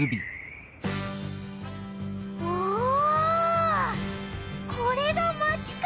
おおこれがマチか！